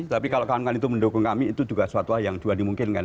tapi kalau kawan kawan itu mendukung kami itu juga suatu hal yang juga dimungkinkan